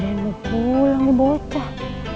kirain gue pulang gue bocah